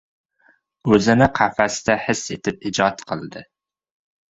O‘zini qafasda his etib, ijod qildi.